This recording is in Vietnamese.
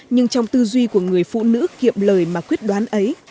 nhưng trong tư duy của người phụ nữ kiệm lời mà quyết đoán ấy